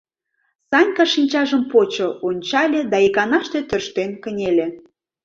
Санька шинчажым почо, ончале да иканаште тӧрштен кынеле.